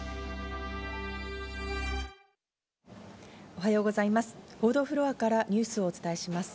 おはようございます。